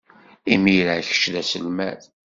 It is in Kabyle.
Imir-a, kečč d aselmad.